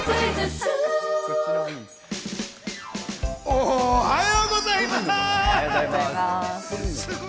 おはようございます！